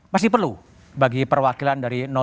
masih perlu bagi perwakilan dari